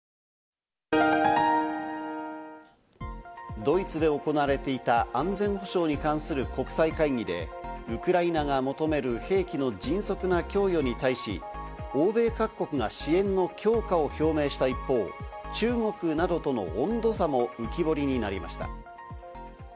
ドイツで行われていた安全保障に関する国際会議で、ウクライナが求める兵器の迅速な供与に対し、欧米各国が支援の強化を表明した一方、中国などとの温度差も浮き彫りになりました。